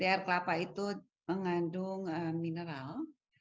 air kelapa itu mengandung mineral